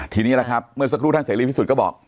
ทีนี้ละครับเมื่อสักครู่ท่านเศรษฐ์ลินทร์พิสุทธิ์ก็บอก